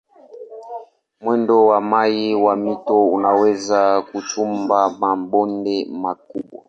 Mwendo wa maji ya mito unaweza kuchimba mabonde makubwa.